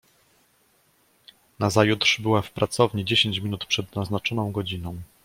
"Nazajutrz była w pracowni dziesięć minut przed naznaczoną godziną."